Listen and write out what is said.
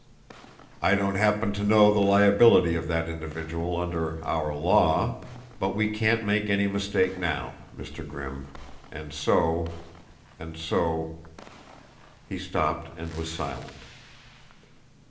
I don't happen to know the liability of that individual under our law, but we can't make any mistake now, Mr. Grimm, and so and so " He stopped and was silent.